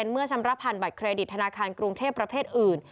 เมื่อชำระผ่านบัตรเครดิตธนาคารกรุงเทพประเภทอื่น